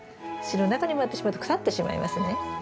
土の中に埋まってしまうと腐ってしまいますね。